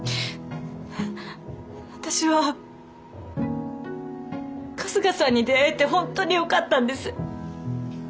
私は春日さんに出会えて本当によかったんです。